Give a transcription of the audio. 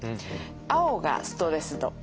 青がストレス度。